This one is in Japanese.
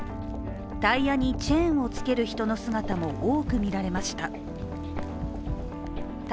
タイヤにチェーンをつける人の姿も多く見られました。